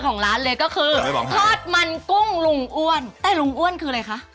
ของร้านเลยก็คือทอดมันกุ้งลุงอ้วนแต่ลุงอ้วนคืออะไรคะ